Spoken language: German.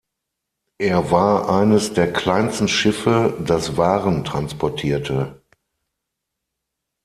Er war eines der kleinsten Schiffe, das Waren transportierte.